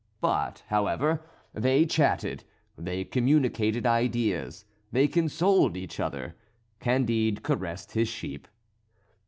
But, however, they chatted, they communicated ideas, they consoled each other. Candide caressed his sheep.